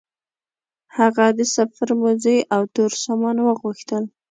هغه د سفر موزې او تور سامان وغوښتل.